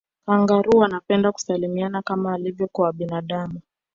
kangaroo wanapenda kusalimiana kama ilivyo kwa binadamu